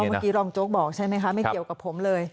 เมื่อกี้รองโจ๊กบอกใช่ไหมคะไม่เกี่ยวกับผมเลย